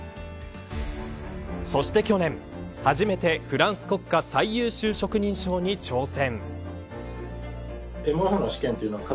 そして去年、初めてフランス国家最優秀職人章に挑戦。